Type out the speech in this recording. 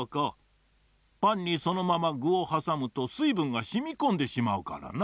パンにそのままぐをはさむとすいぶんがしみこんでしまうからな。